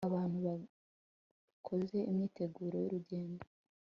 abantu bakoze imyiteguro y'urugendo